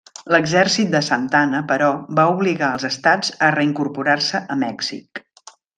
L'exèrcit de Santa Anna, però, va obligar els estats a reincorporar-se a Mèxic.